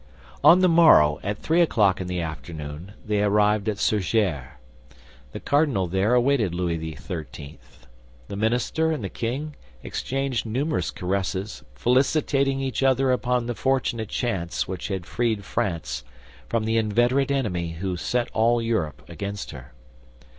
On the morrow, at three o'clock in the afternoon, they arrived at Surgères. The cardinal there awaited Louis XIII. The minister and the king exchanged numerous caresses, felicitating each other upon the fortunate chance which had freed France from the inveterate enemy who set all Europe against her.